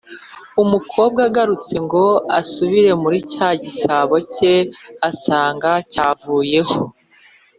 umukobwa agarutse ngo asubire muri cya gisabo ke, asanga cyavuyeho.